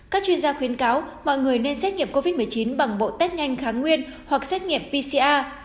các chuyên gia khuyến cáo mọi người nên xét nghiệm covid một mươi chín bằng bộ test nhanh kháng nguyên hoặc xét nghiệm pcr